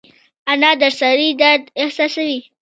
انا د سړي درد احساسوي